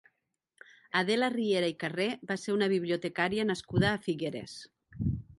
Adela Riera i Carré va ser una bibliotecària nascuda a Figueres.